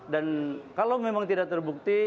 dan kalau memang tidak terbukti